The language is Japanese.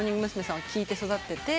さんは聴いて育ってて。